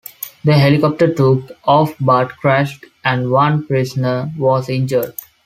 The helicopter took off but crashed, and one prisoner was injured.